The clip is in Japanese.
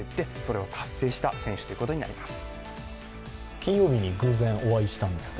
金曜日に偶然、お会いしたんですって？